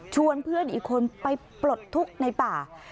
เพื่อนอีกคนไปปลดทุกข์ในป่า